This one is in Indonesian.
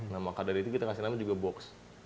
nah maka dari itu kita kasih nama juga box